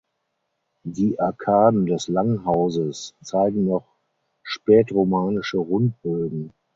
Die Arkaden des Langhauses zeigen noch spätromanische Rundbögen.